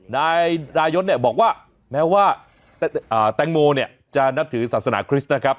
นายดายศเนี่ยบอกว่าแม้ว่าแตงโมเนี่ยจะนับถือศาสนาคริสต์นะครับ